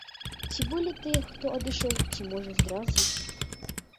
Ці былі тыя хто адышоў, ці, можа, здрадзіў?